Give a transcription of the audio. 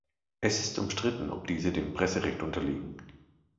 Es ist umstritten, ob diese dem Presserecht unterliegen.